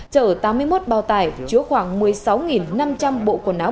chở tám mươi một bao tải chứa khoảng một mươi sáu năm trăm linh bộ quần áo